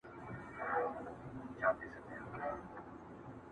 او ژور فکر پيدا،